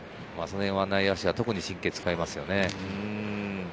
内野手は特に神経を使いますよね。